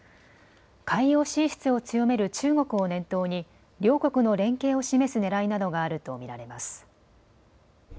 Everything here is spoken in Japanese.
海洋進出を強める中国を念頭に両国の連携を示すねらいなどがあると見られます。